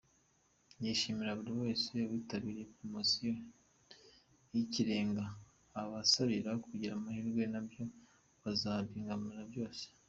Yashimiye buri wese witabiriye Poromosiyo Ni Ikirengaaa, abasabira kugira amahirwe mu byo bazagambirira byose.